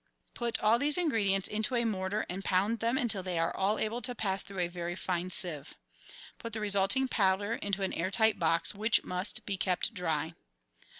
Put all these ingredients into a mortar and pound them until they are all able to pass through a very fine sieve. Put the resulting powder into an air tight box, which must be kept dry.